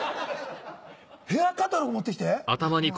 ヘアカタログ持って来て。